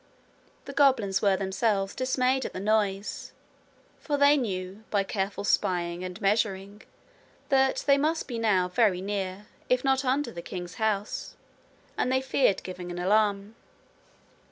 The goblins were themselves dismayed at the noise, for they knew, by careful spying and measuring, that they must now be very near, if not under the king's house, and they feared giving an alarm.